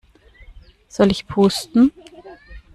Soll ich pusten?